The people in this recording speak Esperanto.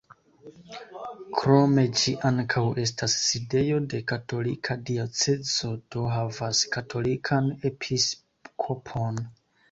Krome ĝi ankaŭ estas sidejo de katolika diocezo, do havas katolikan episkopon.